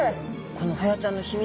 このホヤちゃんの秘密